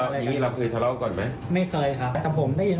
เจอมากแล้วก็เขาเลยเรียนรู้ก้อน